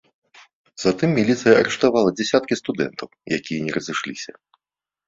Затым міліцыя арыштавала дзясяткі студэнтаў, якія не разышліся.